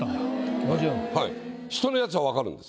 人のやつはわかるんです。